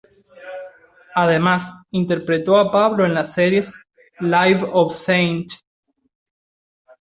Además, interpretó a Pablo en las series "Life of St.